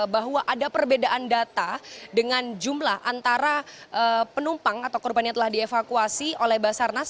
bahwa ada perbedaan data dengan jumlah antara penumpang atau korban yang telah dievakuasi oleh basarnas